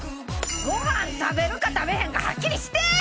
ごはん食べるか食べへんかはっきりして！